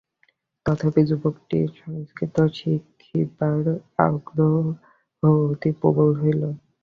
তথাপি যুবকটির সংস্কৃত শিখিবার আগ্রহ অতি প্রবল হইল।